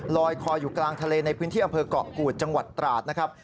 ลอยคออยู่กลางทะเลในพื้นที่อำเภอกเกาะกูดจังหวัดตราดนะครับ